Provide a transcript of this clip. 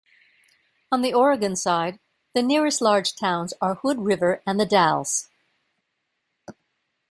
On the Oregon side the nearest large towns are Hood River and The Dalles.